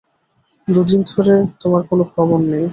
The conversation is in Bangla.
দুদিন ধরে তোমার কোন খবর নেই।